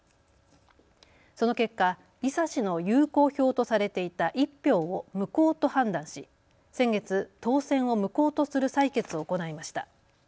その結果、井佐氏の有効票とされていた１票を無効と判断し先月、当選を無効とする裁決を行いました。